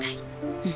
うん。